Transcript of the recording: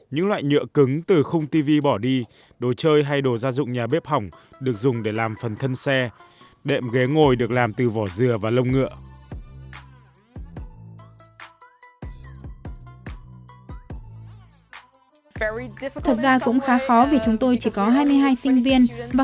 những loại nhựa cứng từ khung tv bỏ đi đồ chơi hay đồ gia dụng nhà bếp hỏng được dùng để làm phần thân xe đệm ghế ngồi được làm từ vỏ dừa và lông ngựa